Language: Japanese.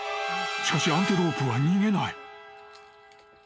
しかしアンテロープは逃げない］